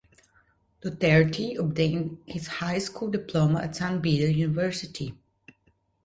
Duterte obtained his high school diploma at San Beda University.